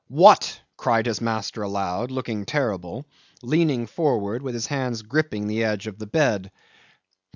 "What?" cried his master aloud, looking terrible, leaning forward with his hands gripping the edge of the bed.